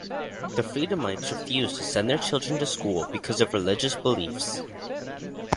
The Freedomites refused to send their children to school because of their religious beliefs.